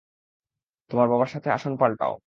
তোমার বাবার সাথে আসন পাল্টাও।